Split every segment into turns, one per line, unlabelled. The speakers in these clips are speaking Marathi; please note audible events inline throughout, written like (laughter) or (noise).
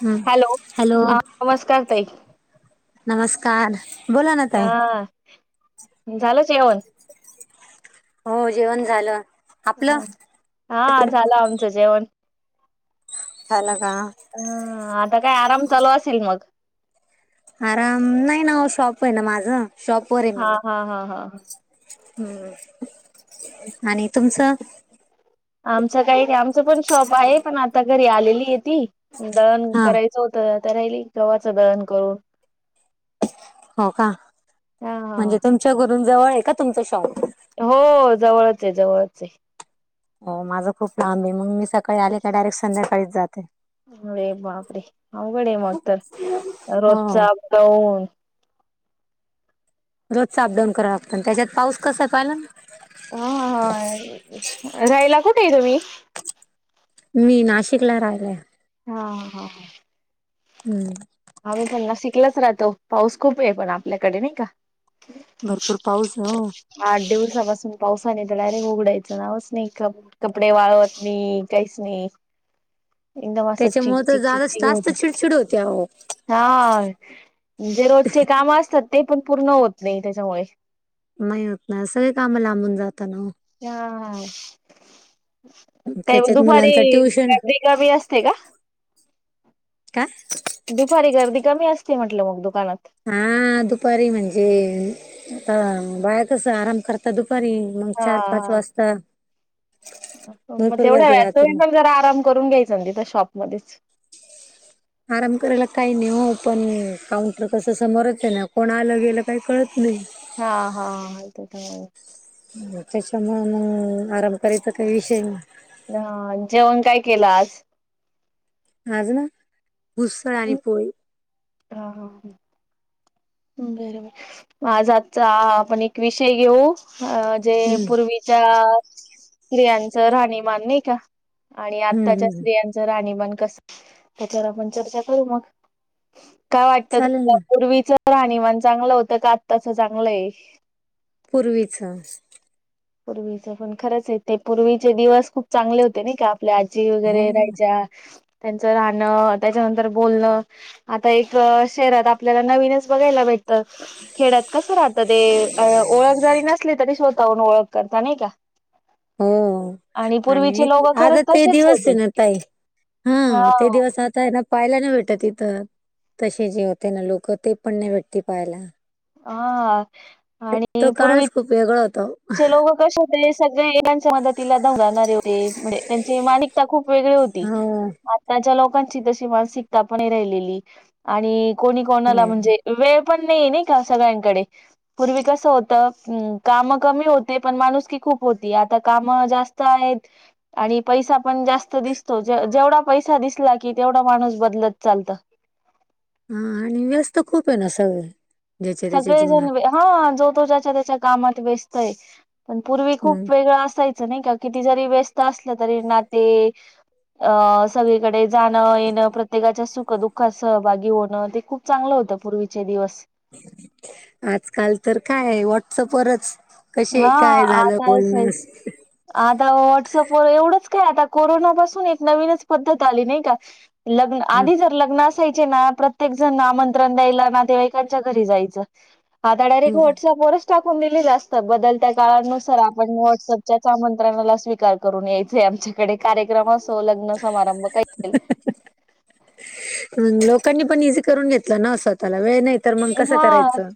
हम्म
हॅलो
हॅलो!
हा नमस्कार ताई
नमस्कार. बोला ना ताई.
हा झालं जेवण.
हो जेवण झालं? आपलं?
ह हा झाल आमचं जेवण.
झाल का?
ह आता काय आराम चालू असेल मग?
आराम नाही ना शॉप आहे ना माझं शॉप.
हा हा हा हा ह.
हम्म आणि तुमचं?
आमचं काही नाही आमचं पण शॉप आहे पण आता घरी आलेली ती दळण करायच. (unintelligible)
हा
करायच होत तर, राहिली गव्हाचं दहन करून.
हो का,
हा हा
म्हणजे तुमच्या घरून जवळ आहे का तुमचा शॉप?
हो जवळच आहे, जवळच आहे.
हो माझं खूप लांब आहे, मग मी सकाळी आले का डायरेक्ट संध्याकाळीच जाते.
अरे बापरे! अवघड य मगतर, रोजचं
हो
अपडाऊन.
रोजच अपडाऊन कराव लागतं, त्याच्यात पाऊस कसा आहे पाहिलाना.
ह हा, रायला कुठे आहे तुम्ही?
मी नाशिकला राहिला आय.
हा ह हा हा.
हम्म.
आम्ही पण नाशिकलाच राहतो, पाऊस खूप आहे पण आपल्याकडे, नाही का.
भरपूर पाऊस, हो.
आठ दिवसापासून पावसाने तर डायरेक्ट उघडायचं नावच नाही इथं. कपडे वाळवत नाही, काहीच नाही. एकदम अस चिक
त्याच्यामुळे तर
चिक चिक
जादा
चक
जास्त
होतं.
चिडचिड होते अहो.
हा म्हणजे रोजचे काम असतात ते पण पूर्ण होत नाही त्याच्यामुळे.
नाही होत ना, सगळी कामं लांबून जात ना ओ.
हा हा, काय मग
त्याच्यात
दुपारी
मुलांच ट्युशन
गर्दी कमी असते का.
काय?
दुपारी गर्दी कमी असते म्हटलं मग दुकानात.
हा, दुपारी म्हणजे, आता बाया कस आराम करतात दुपारी. मग
हा
चार पाच
हा
वाजता
मग
भरपूर
तेवढ्या
गर्दी
वेळात
राहते
तुम्ही पण
मग
जरा आराम करून घ्यायचं न तिथ शॉपमध्येच.
आराम करायला काही नाही ओ, पण काउंटर कसं समोरच आहे ना, कोण आलं गेलं काही कळत नाही.
हा हा आहे तिथं.
हम्म. त्याच्यामूळं मग आराम करायचा काही विषयचं नाही.
हा, जेवण काय केलं आज?
आज ना, उसळ आणि पोळी.
हा हा हा. बर बर, आज आजचा आपण एक विषय घेऊ अ जे
हम्म
पूर्वी चा स्त्रियांच राहणीमान नाही का, आणि
हम्म
आत्ताच्या
हम्म
स्त्रियां च राहणीमान कसं, त्याच्यावर आपण चर्चा करू मग. काय वाटत
चालेल
तुमाला
ना
पूर्वीच राहणीमान चांगलं होतं का आत्ताच चांगलंय?
पूर्वीचं.
पूर्वीचे. पण खरंच आहे ते पूर्वीचे दिवस खूप चांगले होते नाही का. आपल्या आज्जी वगैरे
हो
राहायच्या, त्यांचं राहणं, त्याच्यानंतर बोलणं, आता एक शहरात आपल्याला नवीनच बघायला भेट तात. खेड्यात कस राहतं ते अ ओळख जरी नसली तरी स्वतःहून ओळख करता नाही का.
हो, आणि नाही
पूर्वीचे लोक
आता
खरंच
ते
तसेच
दिवस आहे
होते.
ना ताई हां. ते दिवस आत- ता आहे ना पाहायला नाही भेटत इथं, तसे जेवताना लोकं ते पण नाही भेटत पाहायला.
आ.
तो काळच खूप वेगळा होतो ओ.
चे लोकं कसे होते, सगळे (unintelligible) च्या मदतीला धावून जानारे होते, म्हणजे त्यांची मानिकता खूप वेगळी होती.
हो,
त्याच्या लोकांची तशी मानसिकता पण नाहि राहिलेली, आणि कोणी कोणाला
नाही नाही.
म्हणजे वेळ पण नाहीेये नाही का सगळ्यांकडे. पूर्वी कसं होतं काम कमी होती पण माणूसकी खूप होती आता काम जास्त आहेत आणि पैसा पण जास्त दिसतो. जे जेवढा पैसा दिसला की तेवढा माणूस बदलत चालत.
हा आणि व्यस्त खूप आहे ना सगळे. ज्याच्या त्याच्या
सगळेजण
जीवनात.
व्य हा जो तो ज्याच्या त्याच्या कामात व्यस्त आहे. पण पूर्वी
मग
खूप वेगळ असाय चं नाही का किती जरी व्यस्त असल तरी नाती अ सगळीकडे जाणं-येणं प्रत्येकाच्या सुख- दुःख दुःखात सहभागी होणं ते खूप चांगलं होतं पूर्वीचे दिवस.
आजकाल तर काय आहे व्हॉट्सअपवरच कशी आहे?
हा
काय झालं
आताच
बोलण अस
आता व्हॉट्सअपवर एवढंच काय आता कोरोनापासून एक नवीनच पद्धत आली नाही का? लग्न
हं,
आधी जर लग्न असायचे ना प्रत्येक जण आमंत्रण द्यायला नातेवाईकांच्या घरी जायचं. आता डायरेक्ट
हं.
व्हॉट्सअप वरच टाकून दिलेली अस तात. बदलत्या काळानुसार आपण व्हॉट्सअपच्याचं आमंत्रणाला स्वीकार करून यायचे आमच्या कडे कार्यक्रम असो, लग्न समारंभ काही
लोकांनी पण इझी करून घेतल ना असं. त्याला वेळ नाही तर मग कसं
हा,
करायचं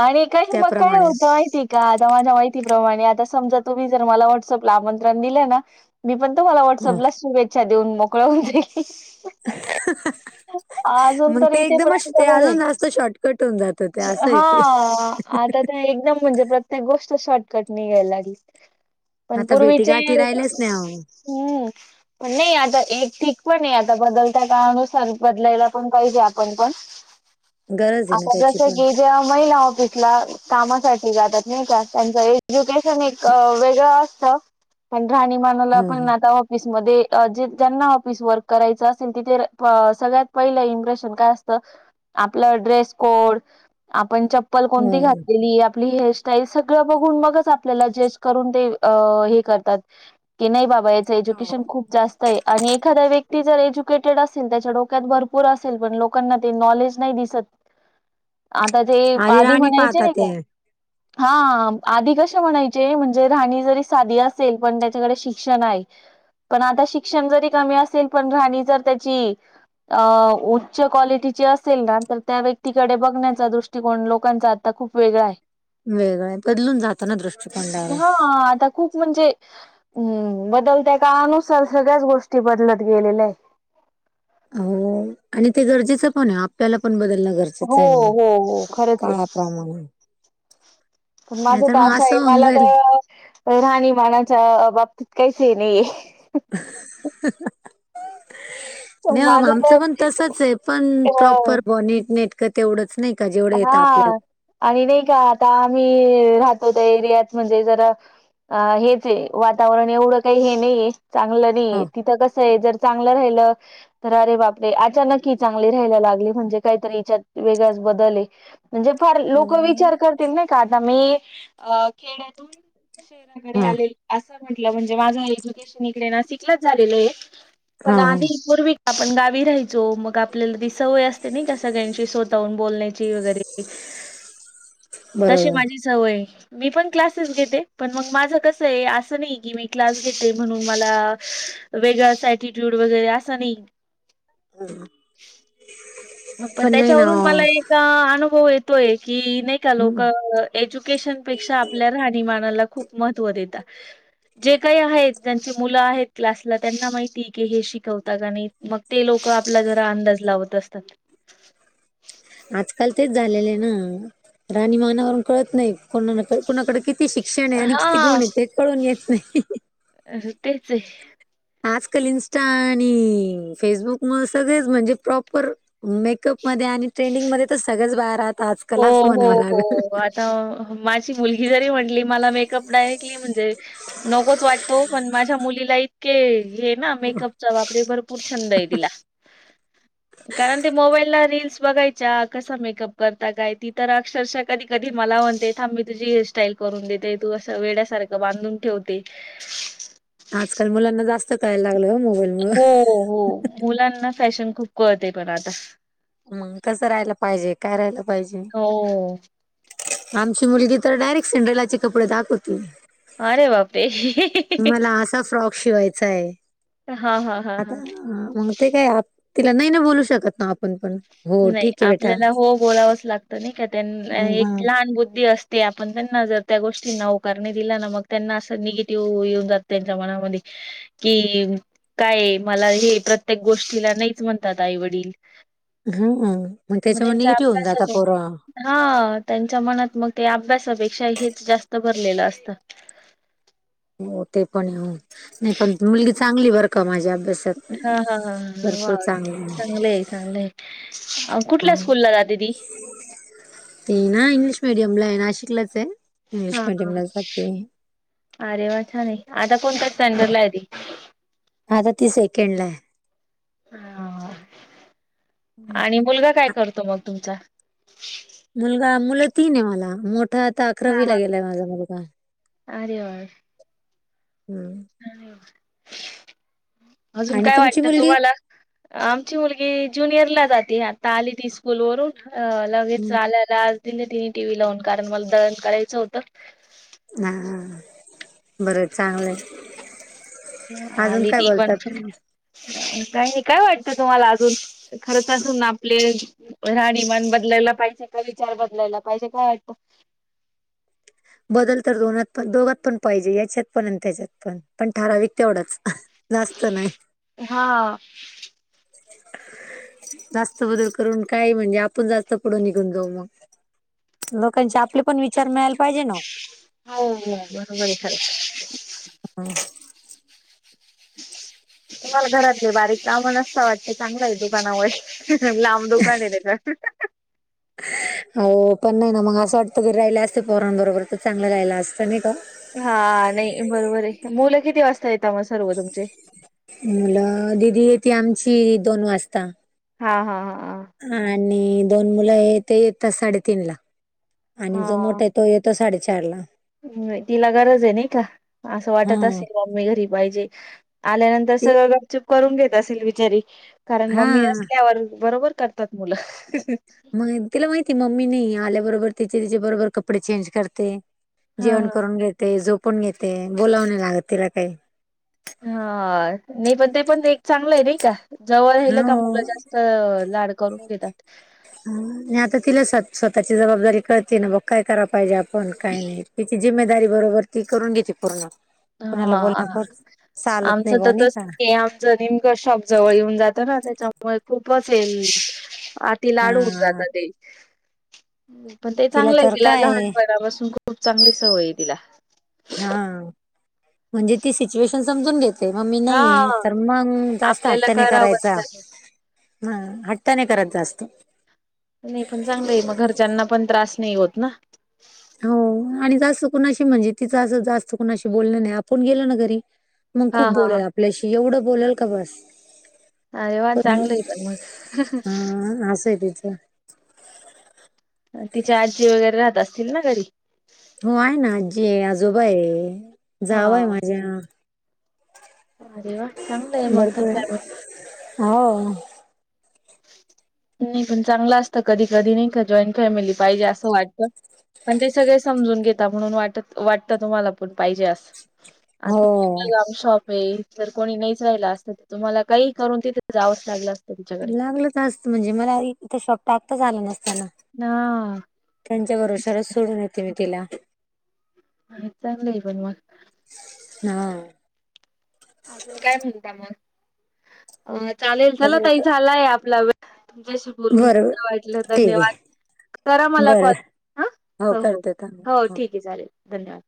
आणि काही मग काय
त्याप्रमाणे.
होतं माहिती (unintelligible) का आता माझ्या माहितीप्रमाणे आता समजा तुम्ही जर मला व्हॉट्सअपला आमंत्रण दिलं ना मी पण तुम्हाला व्हॉट्सअपला शुभेच्छा देऊन मोकळं होनते
मग
तर
ते एकदमच
इथेपर्यंत
ते
बरंय
अजून जास्त शॉर्टकट होऊन जातं त्यात. असय ते.
ते एकदम म्हणजे प्रत्येक गोष्ट शॉर्टकट निघायला लागली. पण
आता भेटी
पूर्वीचे
गाठी राहिल्याच नाही अहो
हम्म, पण नाही आता एक ठीक पण नाही आता बदलता कारण पण बदलायला पण पाहिजे आपण पण,
गरज आहे ना
आपण
त्याची
जस
पण
की ज्या महिला ऑफिसला कामासाठी जातात नाही का त्यांचं एज्युकेशन एक वेगळं असतं. पण
ह
राहणीमानला पण
ह.
आता ऑफिसमध्ये जे ज्यांना ऑफिस वर्क करायचं असेल तिथे सगळ्यात इम्प्रेशन काय असतं आपलं ड्रेस कोड, आपण चप पल कोणती
हो.
घातलेली, आपली हेयर स्ट त्यावेळी सगळं बघून मगच आपल्याला जज करून ते अ, हे करतात की नाही बाबा वयाच एज्युकेशन खूप जास्त आहे आणि एखादा व्यक्ती जर एज्युकेटेड अस (unintelligible) त्याच्या डोक्यात भरपूर असेल पण लोकांना ते नॉलेज नाही दिसत. आता ते आधी
राणी
म्हणायचे
पाहतात
नाही का
ते
हा आधी कसे म्हणायचे म्हणजे राहणी जरी साधी असेल पण त्याच्याकडे शिक्षण आहे. पण आता शिक्षण जरी कमी असेल पण राहणी जर त्याची अ उच्च क्वालिटीची असेल ना तर त्या व्यक्तीकडे बघण्याचा दृष्ट ष्टिकोन लोकांचा आता खूप वेगळा आहे.
वेगळाय, बदलून जातं ना दृष्टिकोन दा
हा
(unintelligible)
आता खूप म्हणजे हम् बदलत्या काळानुसार सगळ्याच गोष्टी बदलत गेलेल्या आहेत.
हो आणि ते गरजेचं पण आहे आपल्याला पण बदल
हो
नगरचाच आहे मी,
हो हो खरंच आहे
कामा प्रमाणे.
पण माझं तर असंय मला
जाईल.
तर, राहणीमानाच्या बाबतीत काहीच हे नाहीये.
(unintelligible) नाही ओ
माझं
आमचं पण तसंच आहे पण
तर
प्रॉपर बॉनी नेटकं तेवढंच नाही. का जेवढं येतं
हा
आपल्याला.
आणि नाही का आता आम्ही राहतो त्या एरियात म्हणजे जरा अ हेच आहे वातावरण एवढं काही हे नाहीये. चांगलं
हा
नाहीये तिथं कसं आहे जर चांगलं राहिलं तरं अरे बापरे अचानक ही चांगली राहायला लागली म्हणजे काहीतरी हीच्यात वेगळाच बदल आहे. म्हणजे फार लोक विचार करतील नई का आता मी अ खेड्यातून शेताकडे
हा
आले असं म्हटलं म्हणजे माझं एज्युकेशन इकडे ना शिकलंच झालेलं आहे
हा
पण आधी पूर्वी का आपण गावी राहायचो, मग आपल्याला ती सवय असते नई का सगळ्यांशी स्वतःहून बोलण्याची वगैरे ती, तशी
बरोबर
माझी सवय. मी पण क्लासेस घेते पण मग माझं कसंय असं नाही की मी क्लास घेते म्हणून मला वेगळांच एटीट्यूड वगैरे असं नाही.
(unintelligible)
पण
नाही ना
त्याच्यावरून मला एक अनुभव येतोय की नाही का
ओ.
लोक एज्युकेशन पेक्षा आपल्या राहणीमानाला खूप महत्त्व देतात. जे काही आहेत ज्यांचे मुलं आहेत क्लासला त्यांना माहिती की हे शिकवता का नाही. मग ते लोक आपला जरा अंदाज लावत असतात.
आज काल तेच झालेले ना, राहणीमानावरून कळत नाही कोणाण कोणाकड किती शिक क्षण हाय आणि किती
हा
गुण ये ते कळून येत नाय
अ ह तेच य
आजकाल इन्स्टा आणि फेसबुकमूळ सगळेच म्हणजे प्रॉपर मेकअप मध्ये आणि ट्रेंडिंग मध्ये तर सगळ्याच बाया राहता आजकाल असं म्हणावं लागल
अ माझी मुलगी जरी म्हटली मला मेकअप डायरेक्टली म्हणजे नकोच वाटत ओ, पण माझ्या मुलीला इतके हे ना मेकअप चा बापरे भरपूर छंद ये तिला कारण ते मोबाईलला रील्स बघायच्या कसा मेकअप कर त काय ती तर अक्षरशः कधी कधी मला म्हणते थांब तुझी हेअरस्टाईल करून देते. तू असं वेड्यासार बांधून ठेवते.
आजकाल मुलांना जास्त कळायला लागलंय हो मोबाईल मुळे
हो हो. मुलांना फॅशन खूप कळते पण आता
मंग कसं राहायला पाहिजे, काय राहायला पाहिजे
हो.
आमची मुलगी तर डायरेक्ट सिंड्रेलाचे कपडे दाखवती
अरे बाप रे
मला असा फ्रॉक शिवायचय,
हां, हां, हां, हां.
आता मंग ते काय आप, तिला नाय ना बोलू शकत ना आपण पण हो
नाही,
ठीक आहे बेटा
आपल्याला हो बोलावंच लागतं. नाही का त्यां
हं
एक लहान बुद्धी अस ते आपण त्यांना जर त्या गोष्टींना होकार नाय दिला ना मग त्यांना असं निगेटिव्ह येऊन जातं त्यांच्या मनामध्ये की, काय मला हे प्रत्येक गोष्टीला नाहीच म्हणतात आईवडील.
हो आहो म त्याच्यामुळं निगेटिव्ह होऊन जाता
अभ्यासात
पोर
हा त्यांच्या मनात म ते अभ्यासापेक्षा हेच जास्त भरलेलं असतं
हो ते पण हो नाही पण मुलगी चांगलीये बर का, माझी अभ्यास
हा हा हा हा वा
आहे.
चांगलय चांगलय. अ कुठल्या स्कूल ला जाते ती
ती ना इंग्लिश मीडयमला ये नाशिकलाच ये इंग्लिश
हा
मीडयमला जाते.
अरे वा छान ये, आता कोणत स्टँडरला हाय ती
आता ती सेकंड ला ये
हा
हं.
आणि मुलगा काय
आ
करतो म तुमचा
मुलगा, मुलं तीन ये मला, मोठा आता
हा हा
अकरावीला गेलाय माझा मुलगा
अरे वा
हम्म
अजून
आणि
काय
तुमची
वाटत
मुलगी
तुम्हाला आमची मुलगी ज्युनियर ला जाते, आता आली ती स्कूल वरून अ लगेच आल्या त आज दिली तिनी टीव्ही लावून कारण मला दळण कढायचं होतं.
हा हा बरं चांगलंय अजून काय बोलता तुम्ही
काय नाय काय वाटतं तुम्हाला अजून खरंच असून आपले राहणीमान बदलायला पाहिजे का? विचार बदलायला पाहिजे काय वाटतं?
बदल तर दोनात पण दोघात पण पाहिजे, याच्यात पण आणि त्याच्यात पण, पण ठराविक तेवढाच जास्त नाय.
हा
जास्त बदल करून काय म्हणजे आपण जास्त पुढं निघून जाऊ म लोकांचे आपले पण विचार मिळायला पाहिजे ना
हो हो बरोबर आहे खरंच.
हम (inaudible)
तुम्हाला घरातले बारीक काम नसता वाटत चांगला आहे दुकानामुळे लां दुकान आहे त्याचं..
हो पण नाही ना मग असं वाटतं घरी राहिला असतं पोरां बरोबर तर चांगलं रायला असतं नाही का.
हा नाही बरोबर आहे मुलं किती वाजता येता मग सर्व तुमचे,
मुलं दिदी येते आमची दोन वाजता.
हा हा हा
आणि दोन मुलं आहे ते येतात साडेतीन ला. जो मोठा आहे तो येतो साडेचार ला.
हिला गरज आहे नाही का असं वाटत
हा
असेल मम्मी घरी पाहिजे. आल्यानंतर
ती-
सरळ गपचूप करून घेत असेल बिचारी कारण
हा
मम्मी असल्यावर बरोबर कर मुलं (inaudible)
मग तिला माहिती मम्मी नाही आल्याबरोबर तिचे तिचे बरोबर कपडे चेंज करते.
हा
जेवण करून घेते झोपून घेते बोलाव नाही लागत तिला काही.
हा नाही पण ते पण ते एक चांगलं आहे नाही का जवळ राहिलं का
हो
मुलं जास्त. लाड करून घेतात.
नाही आता तिला स्वतःची जबाबदारी कळते ना बघ काय करायला पाहिजे आपण काय नाही. तिची जिम्मेदारी बरोबर ती करून घेते पूर्ण. कुणाला
हा
बोलण्यापत चालत नाही बुआ नाही का.
तिचं नेमकं शॉप जवळ येऊन जातो ना त्याच्यामुळे खूपच येईल. किती लाड होऊन
हा
जातात ते. पण ते
तिला
चांगलं
तर
आहे
काय
लहानपणापासून खूप चांगली सवय तिला.
हा म्हणजे ती सिच्युएशन समजून घेत. तेव्हा मी
हा
नाहीे तर मग जास्त
आपल्याला
हट्ट नाही
करावंच
करायचा.
लागेल.
हट्ट नाही करत जास्त.
नाही पण चांगलं आहे मग घरच्यांना पण त्रास नाही होत ना
हो आणि जास्त कुणाशी म्हणजे तिचं असं जास्त कुणाशी बोलण नाही आपण गेलो ना घरी. मग
हा
खूप
हा हा.
बोलेल आपल्याशी एवढं बोल का बस
अरे वा चांगलं आहे पण
हा अस आहे तिचं.
तिची आजी वगैरे राहत असतील ना घरी.
हो आहे ना आजी आहे आजोबा आहे जावा
हा.
आहे माझ्या
अरे वा चांगला आहे मग तर
भरपूर आहे.
फॅमिली.
हो
नाही पण चांगलं असतं कधी कधी नाही का जॉईंट फॅमिली पाहिजे असं वाटत. पण ते सगळे समजून घेता म्हणून वाट वाटतं तुम्हाला पण पाहिजे असं,
हो
लांब शॉप (inaudible) जर कोणी नाहीच राहिला असत तर तुम्हाला काही करून तिथे जावंच लागलं असतं. तिच्याकडे.
लागलं आस्त म्हणजे मला इथ शॉप टाकताच आलं नसतं ना.
हा
त्यांच्या भरवश्यावर सोडून येते मी तिला-
चांगलं आहे पण मग.
हा बरं
अजून काय म्हणता मग, चालेल चला
अजून
ताई
का
झालाय आपला वेळ. तुमच्याशी बोलून
बरोबर
खूप छान वाटलं
ठीक
धन्यवाद.
आहे
करा मला कॉल
बरोबर
हं. हो... हो...
करते
हो...
थांब.
ठीकं आहे चालेलं धन्यवाद.